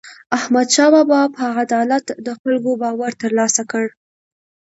احمدشاه بابا په عدالت د خلکو باور ترلاسه کړ.